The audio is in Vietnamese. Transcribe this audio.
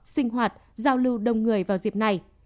sinh hoạt giao lưu đông người vào dịp này